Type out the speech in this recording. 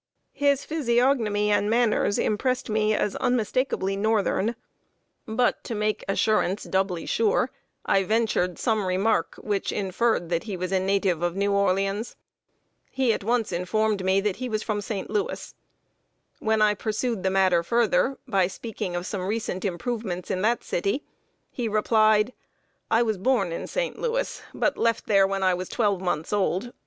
His physiognomy and manners impressed me as unmistakably northern; but, to make assurance doubly sure, I ventured some remark which inferred that he was a native of New Orleans. He at once informed me that he was from St. Louis. When I pursued the matter further, by speaking of some recent improvements in that city, he replied: "I was born in St. Louis, but left there when I was twelve months old.